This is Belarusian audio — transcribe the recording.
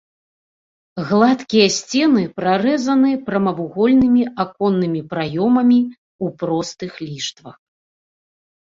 Гладкія сцены прарэзаны прамавугольнымі аконнымі праёмамі ў простых ліштвах.